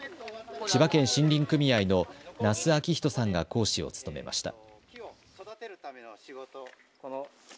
千葉県森林組合の那須章人さんが講師を務めました。